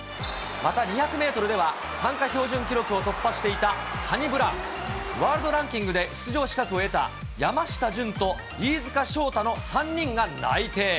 また２００メートルでは、参加標準記録を突破していたサニブラウン、ワールドランキングで出場資格を得た山下潤と飯塚翔太の３人が内定。